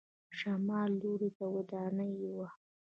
شمال لور ته ودانۍ وه.